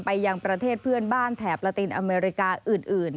ยังประเทศเพื่อนบ้านแถบประตินอเมริกาอื่น